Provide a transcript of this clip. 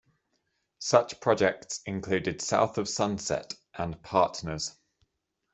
Such projects included "South of Sunset", and "Partners.